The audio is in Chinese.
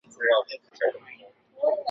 早期的辣椒螃蟹仅仅是用番茄酱爆炒。